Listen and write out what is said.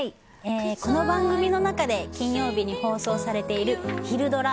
この番組の中で金曜日に放送されているひるドラ！